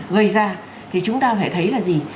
gây ra thì chúng ta phải thấy là gì